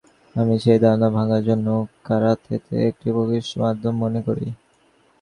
আমি সেই ধারণা ভাঙার জন্য কারাতেকে একটি প্রকৃষ্ট মাধ্যম মনে করি।